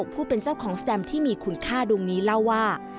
ผู้เป็นเจ้าของสแตมที่มีคุณค่าดวงนี้เล่าว่า